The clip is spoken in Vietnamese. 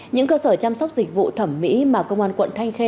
những cơ sở chăm sóc dịch vụ thẩm mỹ mà công an quận thanh khê